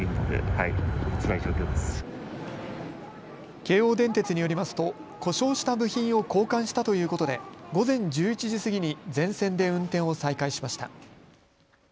京王電鉄によりますと故障した部品を交換したということで午前１１時過ぎに全線で運転を再開しました。